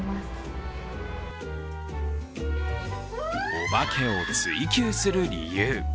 お化けを追及する理由。